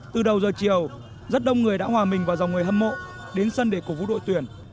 từ đầu giờ chiều rất đông người đã hòa mình vào dòng người hâm mộ đến sân để cổ vũ đội tuyển